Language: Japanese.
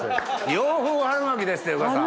洋風春巻きですって宇賀さん。